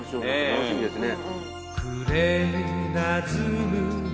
楽しみですね。